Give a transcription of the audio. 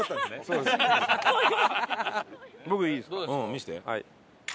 見せて。